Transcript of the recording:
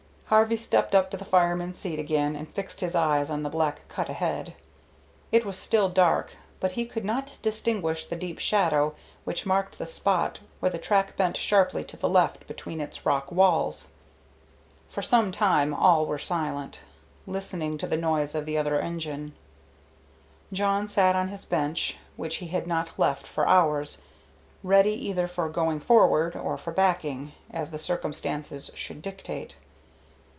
Harvey stepped up to the fireman's seat again, and fixed his eyes on the black cut ahead. It was still dark, but he could now distinguish the deep shadow which marked the spot where the track bent sharply to the left between its rock walls. For some time all were silent, listening to the noise of the other engine. Jawn sat on his bench, which he had not left for hours, ready either for going ahead or for backing, as the circumstances should dictate.